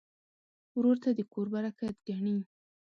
ورور ته د کور برکت ګڼې.